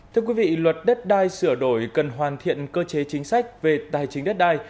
thưa quý vị luật đất đai sửa đổi cần hoàn thiện cơ chế chính sách về tài chính đất đai